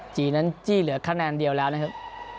จีนนั้นจี้เหลือคะแนนเดียวแล้วนะครับ